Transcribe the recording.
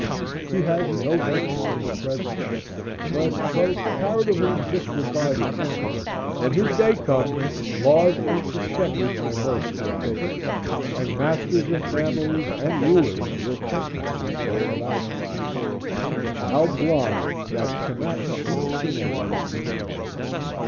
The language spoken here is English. He has no venture in the present. But though comparatively disregarded now, when his day comes, laws unsuspected by most will take effect, and masters of families and rulers will come to him for advice.— "How blind that cannot see serenity!"